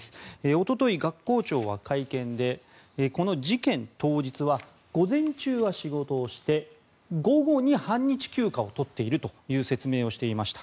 おととい、学校長は会見でこの事件当日は午前中は仕事をして午後に半日休暇を取っていると説明をしていました。